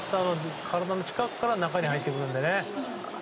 体の近くから中に入ってくるので。